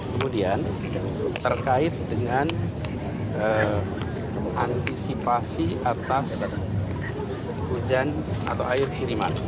kemudian terkait dengan antisipasi atas hujan atau air kiriman